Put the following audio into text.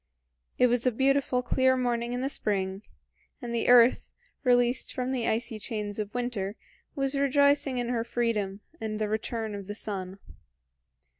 It was a beautiful clear morning in the spring, and the earth, released from the icy chains of winter, was rejoicing in her freedom and the return of the sun.